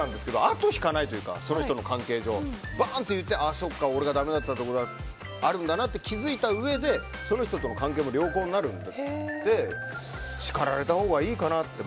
後を引かないというかその人との関係上バンと言ってそっか俺がだめだったところがあるんだなと気づいたうえでその人との関係も良好になるので叱られたほうがいいかなって。